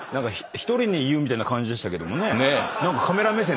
１人に言う感じでしたけどもね。